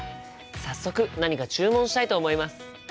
早速何か注文したいと思います。